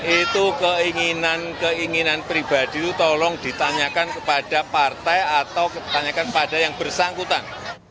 itu keinginan keinginan pribadi itu tolong ditanyakan kepada partai atau ditanyakan kepada yang bersangkutan